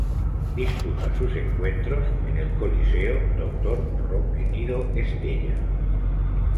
Disputa sus encuentros en el Coliseo Dr. Roque Nido Estella.